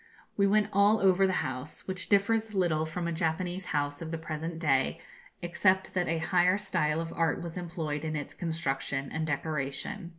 We went all over the house, which differs little from a Japanese house of the present day, except that a higher style of art was employed in its construction and decoration.